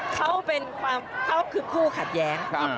เขาเป็นความเขาคือคู่ขัดแย้ง